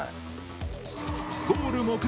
ゴール目前。